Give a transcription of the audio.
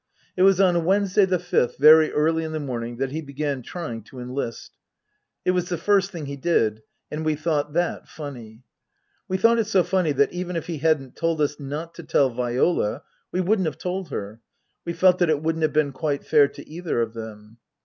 It was on Wednesday, the fifth, very early in the morning, that he began trying to enlist. It was the first thing he did ; and we thought that funny. We thought it so funny that even if he hadn't told us not to tell Viola we wouldn't have told her ; we felt that it wouldn't have been quite fair to either of them.